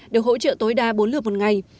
được hỗ trợ tối đa bốn lượt một ngày